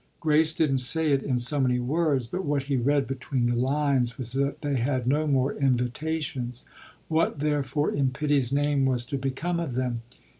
Grace didn't say it in so many words, but what he read between the lines was that they had no more invitations. What, therefore, in pity's name was to become of them?